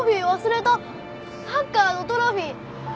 サッカーのトロフィー！